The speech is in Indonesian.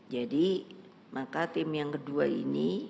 jadi maka tim yang kedua ini